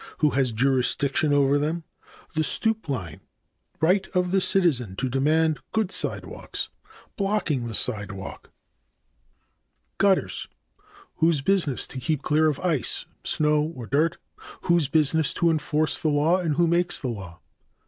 Who has jurisdiction over them. c. The stoop line. d. Right of the citizen to demand good sidewalks. e. Blocking the sidewalk. 5. Gutters. a. Whose business to keep clear of ice, snow or dirt. b. Whose business to enforce the law and who makes the law?